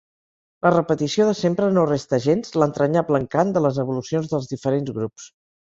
La repetició de sempre no resta gens l'entranyable encant de les evolucions dels diferents grups.